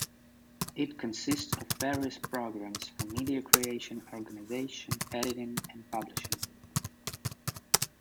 It consists of various programs for media creation, organization, editing and publishing.